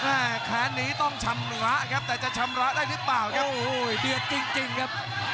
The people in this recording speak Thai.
แค้นนี้ต้องชำระครับแต่จะชำระได้หรือเปล่าครับโอ้โหเดือดจริงครับ